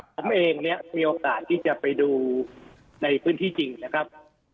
ผมเองเนี่ยมีโอกาสที่จะไปดูในพื้นที่จริงนะครับ